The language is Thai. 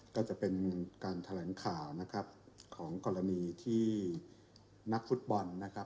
ก็จะเป็นการแถลงข่าวของกรณีที่นักฟุตบอล